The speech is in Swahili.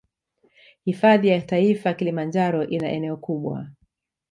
Hifadhi ya taifa kilimanjaro ina eneo kubwa